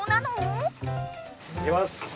いきます。